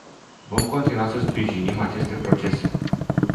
Vom continua să sprijinim aceste procese.